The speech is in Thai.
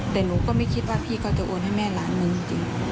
แต่หนูก็ไม่คิดว่าพี่เขาจะโอนให้แม่ล้านหนึ่งจริง